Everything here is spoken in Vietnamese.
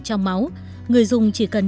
trong máu người dùng chỉ cần